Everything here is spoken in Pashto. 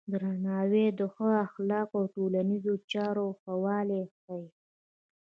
درناوی د ښو اخلاقو او د ټولنیزو چارو ښه والی ښيي.